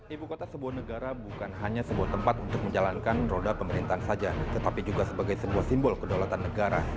ibu kota sebuah negara bukan hanya sebuah tempat untuk menjalankan roda pemerintahan saja tetapi juga sebagai sebuah simbol kedaulatan negara